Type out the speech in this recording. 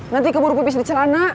nanti keburu pipis di celana